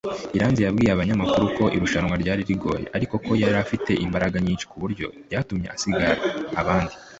Iranzi yabwiye abanyamakuru ko irushanwa ryari rigoye ariko ko yari afite imbaraga nyinshi ku buryo byatumye asiga abandi